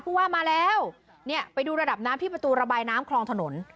ผู้ว่ามาแล้วเนี่ยไปดูระดับน้ำที่ประตูระบายน้ำคลองถนน